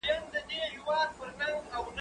زه کولای سم مرسته وکړم؟